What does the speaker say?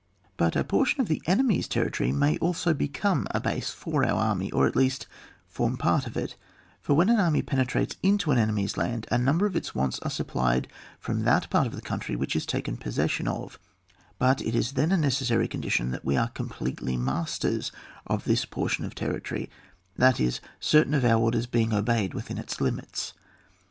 But a portion of the enemy's territory may also become a base for our army, or, at least, form part of it ; for when an army penetrates into an enemy's land, a number of its wants are supplied from that part of the country which is taken possession of; but it is then a necessary condition that we are com pletely masters of this portion of terri tory, that is, certain of our orders being obeyed within its limits.